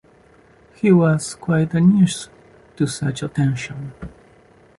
He was quite unused to such attention.